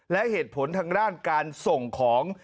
และเหตุผลทางด้านการส่งของ